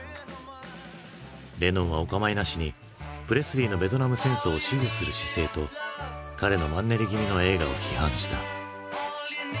レノンはお構いなしにプレスリーのベトナム戦争を支持する姿勢と彼のマンネリ気味の映画を批判した。